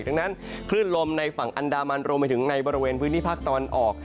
ดังนั้นคลื่นลมในฝั่งอันดามันรวมไปถึงในบริเวณพื้นที่ภาคตะวันออก